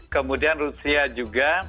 kemudian rusia juga